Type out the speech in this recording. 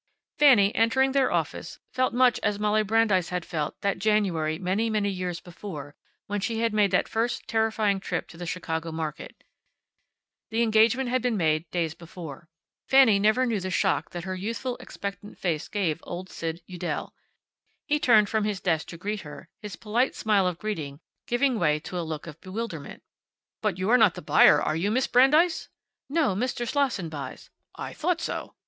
Fanny, entering their office, felt much as Molly Brandeis had felt that January many, many years before, when she had made that first terrifying trip to the Chicago market. The engagement had been made days before. Fanny never knew the shock that her youthfully expectant face gave old Sid Udell. He turned from his desk to greet her, his polite smile of greeting giving way to a look of bewilderment. "But you are not the buyer, are you, Miss Brandeis?" "No, Mr. Slosson buys." "I thought so."